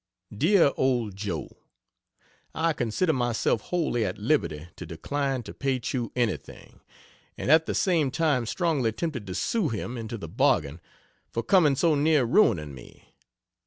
DEAR OLD JOE, I consider myself wholly at liberty to decline to pay Chew anything, and at the same time strongly tempted to sue him into the bargain for coming so near ruining me.